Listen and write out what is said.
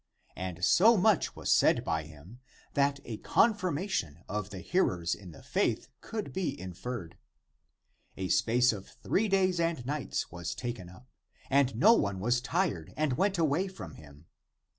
And so much was said by him, that a confirmation of the hearers in the faith could be inferred. A space of three days and nights was taken up, and no one was tired and went away from him.